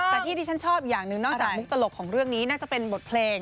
แต่ที่ที่ฉันชอบอีกอย่างหนึ่งนอกจากมุกตลกของเรื่องนี้น่าจะเป็นบทเพลง